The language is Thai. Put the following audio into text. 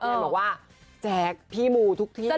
แอมบอกว่าแจ๊กพี่มู